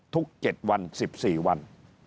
ทุก๗วัน๑๔วัน